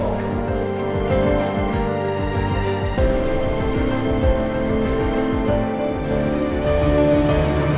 hormat keras selesai